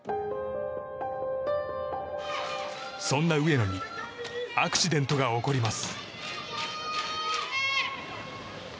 そんな上野にアクシデントが起こります。